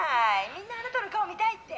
みんなあなたの顔見たいって」。